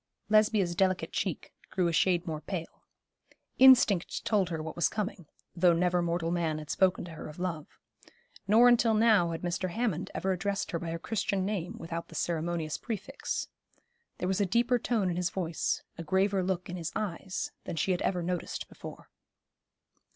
Lesbia's delicate cheek grew a shade more pale. Instinct told her what was coming, though never mortal man had spoken to her of love. Nor until now had Mr. Hammond ever addressed her by her Christian name without the ceremonious prefix. There was a deeper tone in his voice, a graver look in his eyes, than she had ever noticed before.